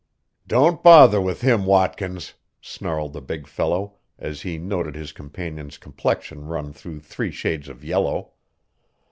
"Don't bother with him, Watkins," snarled the big fellow, as he noted his companion's complexion run through three shades of yellow.